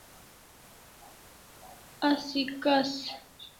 Asi khas